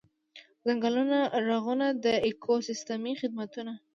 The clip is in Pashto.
ځنګلونو رغونه د ایکوسیستمي خدمتونو.